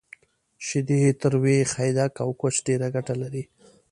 شیدې، تروی، خیدک، او کوچ ډیره ګټه لری